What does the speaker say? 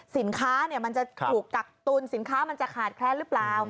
สินค้ามันจะถูกกักตุลสินค้ามันจะขาดแคลนหรือเปล่า